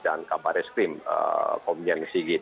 dan kabar eskrim komunian sigit